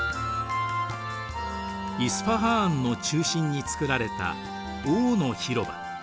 イスファハーンの中心に造られた王の広場。